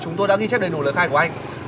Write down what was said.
chúng tôi đã ghi chép đầy đủ lời khai của anh